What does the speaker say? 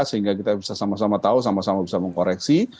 sehingga kita bisa sama sama tahu sama sama bisa mengkoreksi